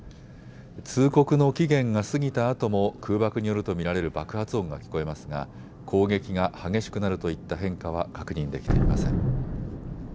通告の期限が過ぎたあとも空爆によると見られる爆発音が聞こえますが攻撃が激しくなるといった変化は確認できていません。